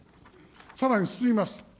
さらに進みます。